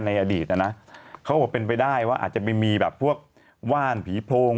ในอดีตนะนะเขาบอกเป็นไปได้ว่าอาจจะไปมีแบบพวกว่านผีโพง